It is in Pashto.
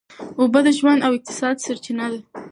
اوبه د ژوند او اقتصاد سرچینه ده.